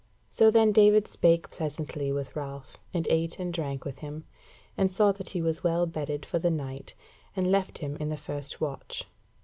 So then David spake pleasantly with Ralph, and ate and drank with him, and saw that he was well bedded for the night, and left him in the first watch.